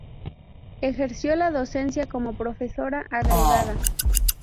Ejerció la docencia como profesora agregada.